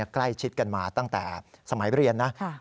ใกล้ชิดกันมาตั้งแต่สมัยเรียนนะ